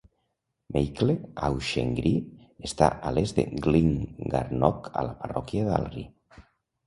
Meikle Auchengree està a l'est de Glengarnock, a la parròquia de Dalry.